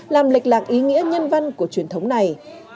làm lệch lạc ý nghĩa nhân văn của truyền thống này